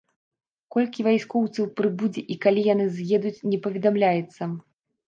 Колькі вайскоўцаў прыбудзе і калі яны з'едуць, не паведамляецца.